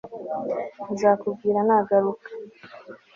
nzakubwira nagaruka